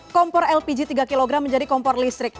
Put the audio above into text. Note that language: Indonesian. kompor lpg tiga kg menjadi kompor listrik